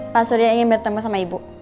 pak surya ingin bertemu sama ibu